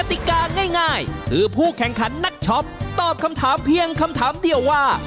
ติกาง่ายคือผู้แข่งขันนักช็อปตอบคำถามเพียงคำถามเดียวว่า